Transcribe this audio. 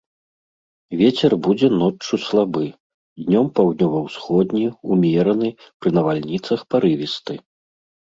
Вецер будзе ноччу слабы, днём паўднёва-ўсходні, умераны, пры навальніцах парывісты.